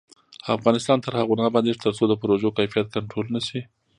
افغانستان تر هغو نه ابادیږي، ترڅو د پروژو کیفیت کنټرول نشي.